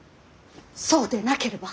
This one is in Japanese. そうでなければ。